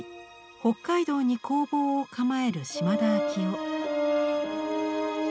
北海道に工房を構える島田晶夫。